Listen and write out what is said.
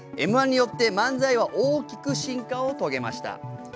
Ｍ−１によって漫才は大きく進化を遂げました。